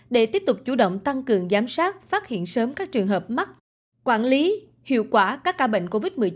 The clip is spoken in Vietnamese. để tiếp tục chủ động tăng cường giám sát phát hiện sớm các trường hợp mắc quản lý hiệu quả các ca bệnh covid một mươi chín